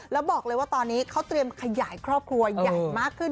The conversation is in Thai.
แล้วบอกเลยว่าตอนนี้เขาเตรียมขยายครอบครัวใหญ่มากขึ้น